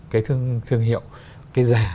cái thương hiệu cái giả